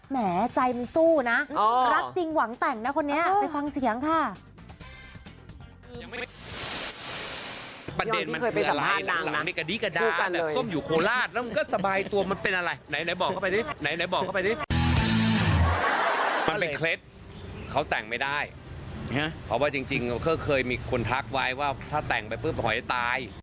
แหมใจมันสู้นะรักจริงหวังแต่งนะคนนี้ไปฟังเสียงค่ะ